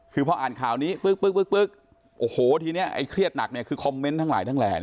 คือพออ่านข่าวนี้ปึ๊กโอ้โหทีนี้ไอ้เครียดหนักเนี่ยคือคอมเมนต์ทั้งหลายทั้งแหล่